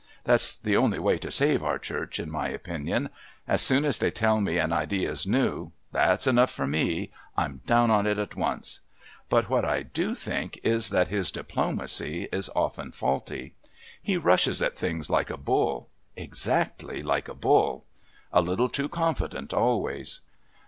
That's the only way to save our Church, in my opinion. As soon as they tell me an idea's new, that's enough for me...I'm down on it at once. But what I do think is that his diplomacy is often faulty. He rushes at things like a bull exactly like a bull. A little too confident always.